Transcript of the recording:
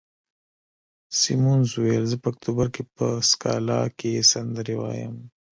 سیمونز وویل: زه په اکتوبر کې په سکالا کې سندرې وایم.